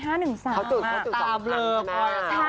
เขาจุด๒ค่ะอันนั้นอ่ะใช่ค่ะ